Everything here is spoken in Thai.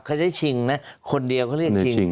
เขาใช้ชิงนะคนเดียวเขาเรียกชิง